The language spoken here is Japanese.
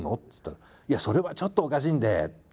っつったら「いやそれはちょっとおかしいんで」。